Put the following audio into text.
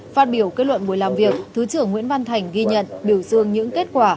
phát biểu kết luận buổi làm việc thứ trưởng nguyễn văn thành ghi nhận biểu dương những kết quả